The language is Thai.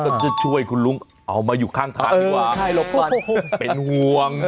จะช่วยคุณลุงเอามาอยู่ข้างทางดีกว่าเป็นห่วง